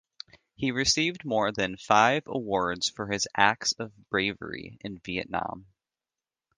He received more than five awards for his acts of bravery in Vietnam.